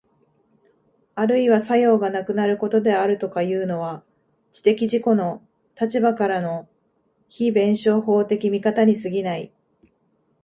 あるいは作用がなくなることであるとかいうのは、知的自己の立場からの非弁証法的見方に過ぎない。